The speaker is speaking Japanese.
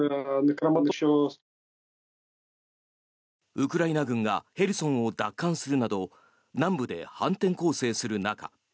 ウクライナ軍がヘルソンを奪還するなど南部で反転攻勢する中